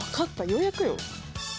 ようやくよ。